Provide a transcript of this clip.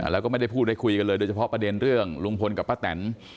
แล้วก็ไม่ได้พูดได้คุยกันเลยโดยเฉพาะประเด็นเรื่องลุงพลกับป้าแตน